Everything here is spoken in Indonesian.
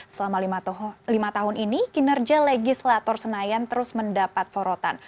selama lima tahun ini kinerja legislator senayan terus mendapat sorotan